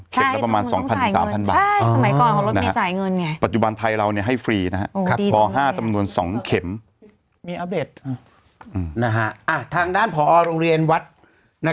ใช่ประมาณสองพันหรือสามพันบาทใช่สมัยก่อนของรถมีจ่ายเงินไง